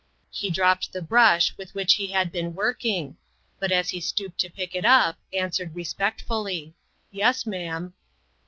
He dropped the brush with which he had been working ; but as he stooped to pick it up, answered respectfully, "Yes, ma'am."